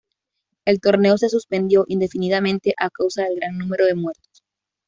El Torneo se suspendió indefinidamente a causa del gran número de muertos.